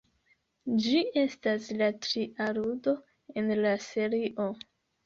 Ĝi estas la tria ludo en la serio.